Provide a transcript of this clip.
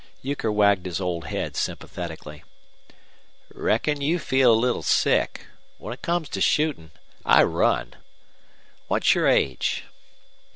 Euchre wagged his old head sympathetically. "Reckon you feel a little sick. When it comes to shootin' I run. What's your age?"